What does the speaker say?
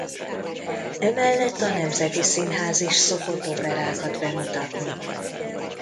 Emellett a Nemzeti Színház is szokott operákat bemutatni.